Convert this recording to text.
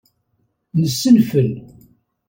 Nessenfel.